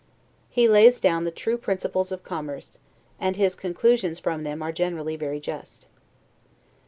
He lays down the true principles of commerce, and his conclusions from them are generally very just.